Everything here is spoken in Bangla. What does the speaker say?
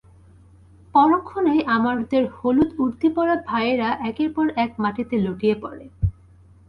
পরক্ষণেই, আমাদের হলুদ উর্দিপরা ভাইয়েরা একের পর এক মাটিতে লুটিয়ে পড়ে।